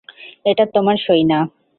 এটা তোমার সই না?